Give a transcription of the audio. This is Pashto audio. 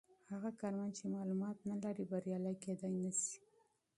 هغه کارمند چې معلومات نلري بریالی کیدای نسي.